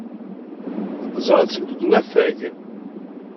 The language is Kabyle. Teẓra-tt deg unafag.